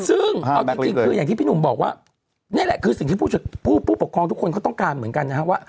ซึ่งเอาจริงคืออย่างที่พี่หนุ่มบอกว่านี่แหละคือสิ่งที่ผู้ปกครองทุกคนเขาต้องการเหมือนกันนะครับว่า